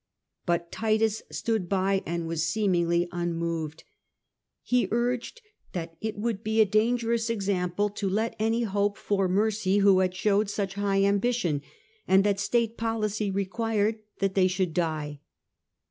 But Titus stood by and was seemingly unmoved. He urged that it would be a dangerous example to let any hope for mercy who had showed such high ambition, and that state policy required that they should die.